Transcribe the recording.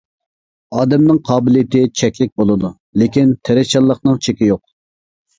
ئادەمنىڭ قابىلىيىتى چەكلىك بولىدۇ، لېكىن تىرىشچانلىقنىڭ چېكى يوق.